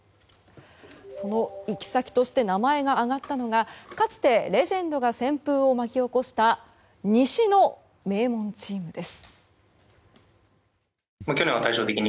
その行き先として名前が挙がったのがかつてレジェンドが旋風を巻き起こした西の名門チームです。